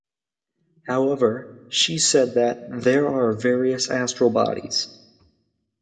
However, she said that "there are various astral bodies".